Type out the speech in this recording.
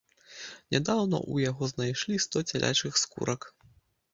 Нядаўна ў яго знайшлі сто цялячых скурак.